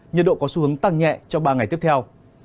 nhiệt độ có xu hướng tăng nhẹ trong ba ngày tiếp theo